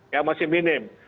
ya masih minim